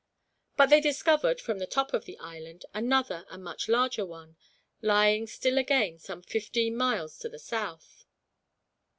But they discovered, from the top of the island, another and much larger one; lying, still again, some fifteen miles to the south.